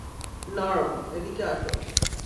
Norm, এদিকে আসো।